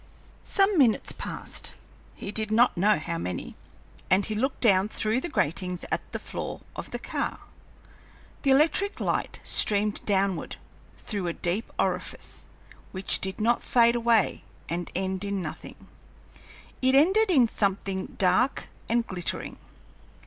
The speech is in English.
Some minutes passed he did not know how many and he looked down through the gratings at the floor of the car. The electric light streamed downward through a deep orifice, which did not fade away and end in nothing; it ended in something dark and glittering.